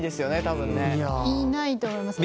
いないと思います。